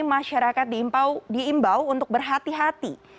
masyarakat diimbau untuk berhati hati